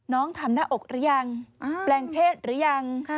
ทำหน้าอกหรือยังแปลงเพศหรือยัง